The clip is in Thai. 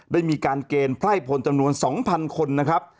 ได้มีการเกณฑ์ไพร่พลจำนวน๒๐๐คนนะครับ